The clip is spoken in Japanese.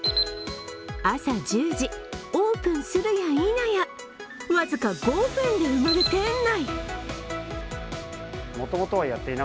朝１０時、オープンするやいなや僅か５分で埋まる店内。